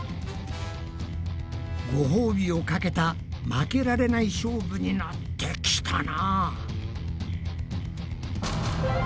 ごほうびをかけた負けられない勝負になってきたな。